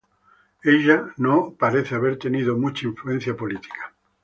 Ella no parece haber tenido mucha influencia política.